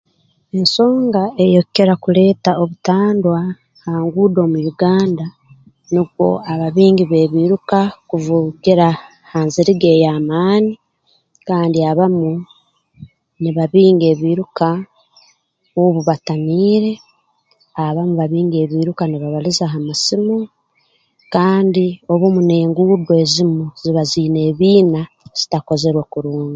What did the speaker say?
Ensonga eyeekukira kuleeta obutandwa ha nguudo mu Uganda nukwo ababingi b'ebiiruka kubivugira ha nziriga ey'amaani kandi abamu nibabinga ebiiruka obu batamiire abamu babinga ebiiruka nibabaliza ha masimu kandi obumu n'enguudo ezimu ziba ziine ebiina zitakozerwe kurungi